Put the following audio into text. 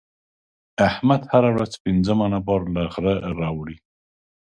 احمد هره ورځ پنځه منه بار له غره راولي.